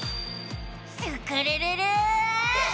スクるるる！